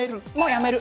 やめる。